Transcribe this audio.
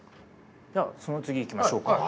その次行きましょうか。